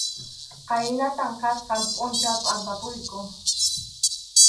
Khaynatam kasqan pʼunchaw pʼampapuyku.